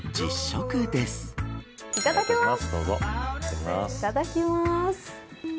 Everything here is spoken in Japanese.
いただきます。